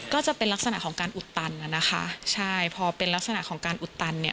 ก็จะเป็นลักษณะของการอุดตันอ่ะนะคะใช่พอเป็นลักษณะของการอุดตันเนี่ย